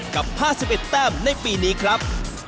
กับ๕๑แต้มในปีนี้ครับ